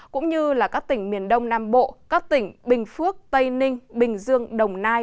cũng như các tỉnh miền đông nam bộ các tỉnh bình phước tây ninh bình dương đồng nai